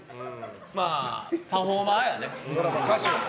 まあ、パフォーマーやね。